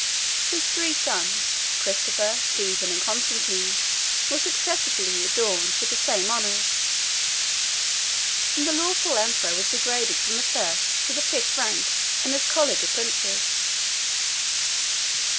His three sons, Christopher, Stephen, and Constantine were successively adorned with the same honors, and the lawful emperor was degraded from the first to the fifth rank in this college of princes.